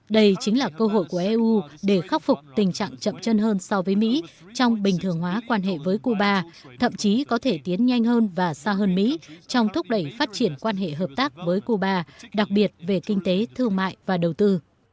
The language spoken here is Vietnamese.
đây chính là cơ hội của eu để khắc phục tình trạng chậm chân hơn so với mỹ trong bình thường hóa quan hệ với cuba thậm chí có thể tiến nhanh hơn và xa hơn mỹ trong thúc đẩy phát triển quan hệ hợp tác với cuba đặc biệt về kinh tế thương mại và đầu tư